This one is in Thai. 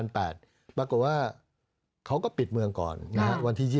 ปรากฏว่าเขาก็ปิดเมืองก่อนวันที่๒๒